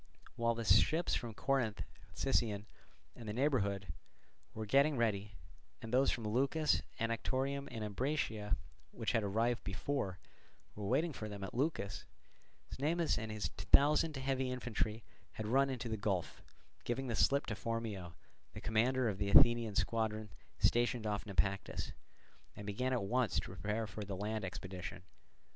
While the ships from Corinth, Sicyon, and the neighbourhood were getting ready, and those from Leucas, Anactorium, and Ambracia, which had arrived before, were waiting for them at Leucas, Cnemus and his thousand heavy infantry had run into the gulf, giving the slip to Phormio, the commander of the Athenian squadron stationed off Naupactus, and began at once to prepare for the land expedition.